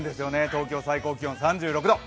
東京、最高気温、３６度。